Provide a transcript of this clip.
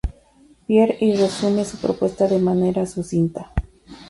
Pierre y resume su propuesta de manera sucinta.